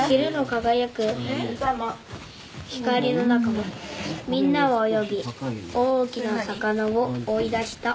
「光の中をみんなは泳ぎ大きな魚を追い出した」